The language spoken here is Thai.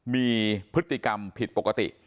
มีพฤติกรรมผิดปกติ